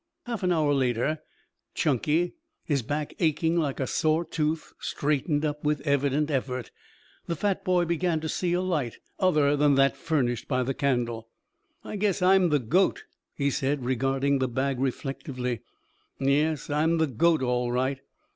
Half an hour later, Chunky, his back aching like a sore tooth, straightened up with evident effort. The fat boy began to see a light, other than that furnished by the candle. "I guess I'm the goat," he said regarding the bag reflectively. "Yes, I am the goat all right."